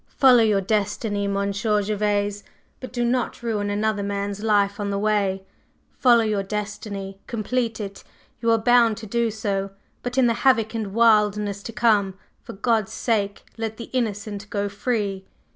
Follow your destiny, Monsieur Gervase, but do not ruin another man's life on the way. Follow your destiny, complete it, you are bound to do so, but in the havoc and wildness to come, for God's sake, let the innocent go free!"